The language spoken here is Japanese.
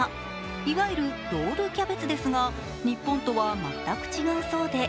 いわゆるロールキャベツですが日本とは全く違うそうで。